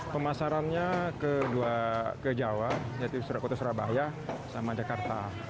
pemasarannya ke jawa yogyakarta surabaya dan jakarta